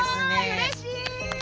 うれしい！